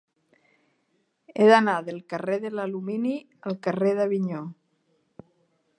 He d'anar del carrer de l'Alumini al carrer d'Avinyó.